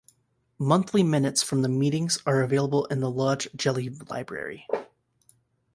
Monthly minutes from the meetings are available in the Lochgelly Library.